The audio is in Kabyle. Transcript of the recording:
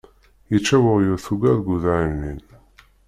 Yečča weɣyul tuga deg udaynin.